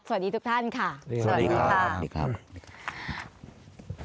สวัสดีทุกท่านค่ะสวัสดีค่ะ